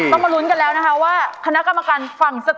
ต้องมาลุ้นกันแล้วนะคะว่าคณะกรรมการฝั่งทุกท่าน